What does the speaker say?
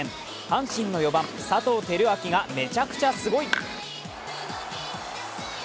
阪神の４番・佐藤輝明がめちゃくちゃすごい。